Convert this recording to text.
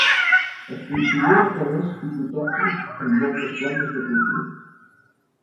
Es considera que no és fitotòxic en moltes plantes de cultiu.